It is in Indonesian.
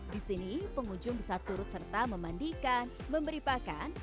di sini pengunjung bisa turut serta memandikan memberi pakan